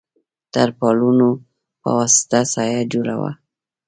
تر پالونو په واسطه سایه جوړه وه.